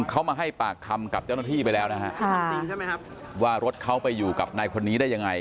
เขามาให้ปากคำกับเจ้าหน้าที่ไปแล้วนะฮะว่ารถเขาไปอยู่กับนายคนนี้ได้ยังไง